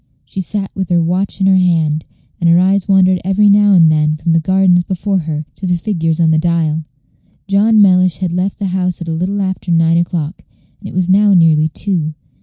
She sat with her watch in her hand, and her eyes wandered every now and then from the gardens before her to the figures on the dial. John Mellish had left the house at a little after nine o'clock, and it was now nearly two.